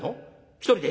一人で？